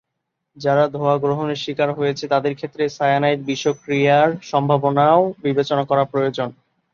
যারা ধোঁয়া গ্রহণের স্বীকার হয়েছে তাদের ক্ষেত্রে সায়ানাইড বিষক্রিয়ার সম্ভাবনাও বিবেচনা করা প্রয়োজন।